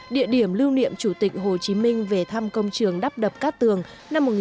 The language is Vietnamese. địa điểm lưu niệm chủ tịch hồ chí minh về thăm công trường đắp đập các tường năm một nghìn chín trăm năm mươi tám